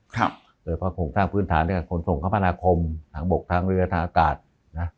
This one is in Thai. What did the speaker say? ครับโครงสร้างพื้นฐานที่กับคนส่งทภนาคมทั้งบกทั้งเรือทั้งอากาศนะ